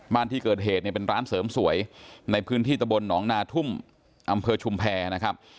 บ้านที่เกิดเหตุเนี่ยเป็นร้านเสริมสวยในพื้นที่ตะบลหนองนาทุ่มอำเภอชุมแพรนะครับ